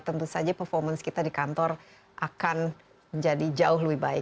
tentu saja performance kita di kantor akan jadi jauh lebih baik